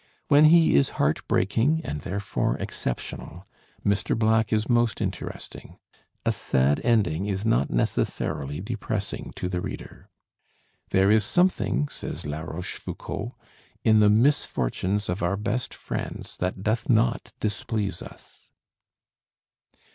When he is heart breaking, and therefore exceptional, Mr. Black is most interesting. A sad ending is not necessarily depressing to the reader. "There is something," says La Rochefoucauld, "in the misfortunes of our best friends that doth not displease us."